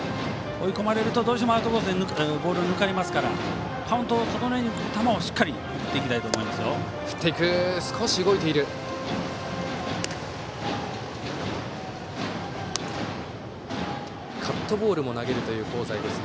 追い込まれるとどうしてもアウトコースにボールを抜かれますからカウントを整えにくる球をしっかり振りきっていきたいです。